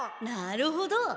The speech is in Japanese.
なるほど！